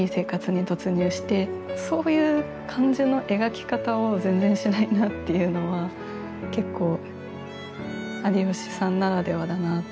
そういう感じの描き方を全然しないなっていうのは結構有吉さんならではだなと思っていて。